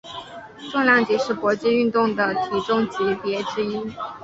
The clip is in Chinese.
重量级是搏击运动的体重级别之一。